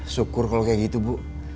syukur kalau kayak gitu bu